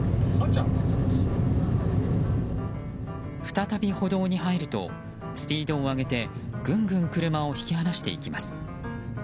再び歩道に入るとスピードを上げてぐんぐん車を引き離していきます。